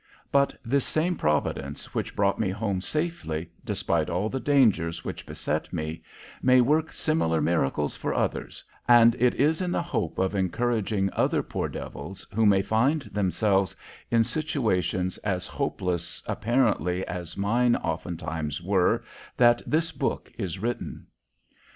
But this same Providence which brought me home safely, despite all the dangers which beset me, may work similar miracles for others, and it is in the hope of encouraging other poor devils who may find themselves in situations as hopeless apparently as mine oftentimes were that this book is written.